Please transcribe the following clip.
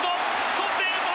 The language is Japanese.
捕っているぞ！